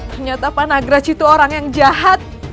ternyata panagraj itu orang yang jahat